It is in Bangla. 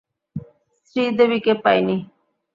শ্রী দেবীকে পাইনি।